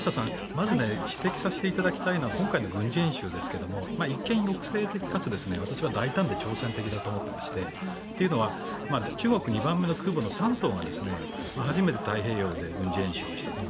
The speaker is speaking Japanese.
まず指摘させていただきたいのは今回の軍事演習ですが一見抑制的かつ私は大胆で挑戦的だと思っていましてというのは中国２番目の空母の「山東」が初めて太平洋で軍事演習をしたと。